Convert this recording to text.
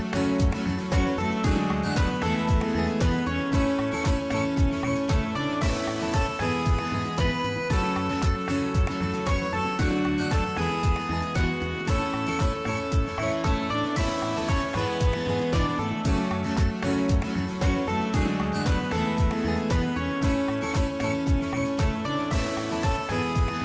โปรดติดตามตอนต่อไป